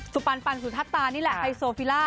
สุปันสุธัตตานี่แหละไฮโซฟิลล่า